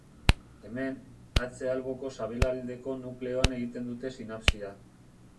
Hemen, atze-alboko sabelaldeko nukleoan egiten dute sinapsia.